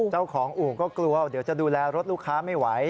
อู่ก็กลัวเดี๋ยวจะดูแลรถลูกค้าไม่ไหว